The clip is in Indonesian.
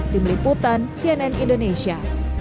tim liputan cnn indonesia